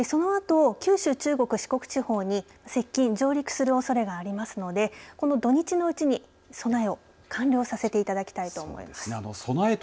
そのあと九州、中国、四国地方に接近、上陸するおそれがありますのでこの土日のうちに備えを完了させていただきたいと思います。